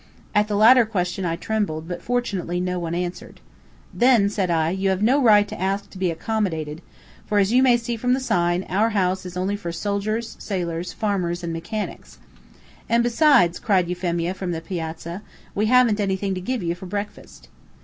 At the latter question I trembled, but fortunately no one answered. "Then," said I, "you have no right to ask to be accommodated; for, as you may see from the sign, our house is only for soldiers, sailors, farmers, and mechanics." "And besides," cried Euphemia from the piazza, "we haven't anything to give you for breakfast."